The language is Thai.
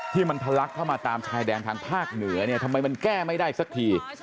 ที่มันทะลักเข้ามาตามชายแดนทางภาคเหนือเนี่ยทำไมมันแก้ไม่ได้สักที